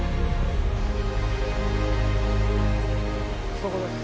そこです。